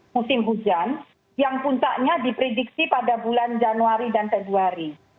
musim hujan yang puncaknya diprediksi pada bulan januari dan februari